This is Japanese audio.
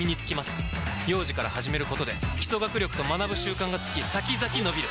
幼児から始めることで基礎学力と学ぶ習慣がつき先々のびる！